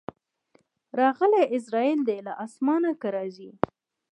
راغلی عزراییل دی له اسمانه که راځې